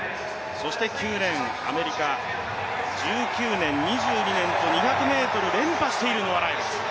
そして９レーン、アメリカ、１９年、２２年と２００ｍ連覇しているノア・ライルズ。